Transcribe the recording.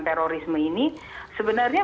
terorisme ini sebenarnya